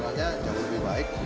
karena jauh lebih baik